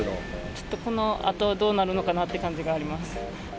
ちょっとこのあとはどうなるのかなっていう感じがあります。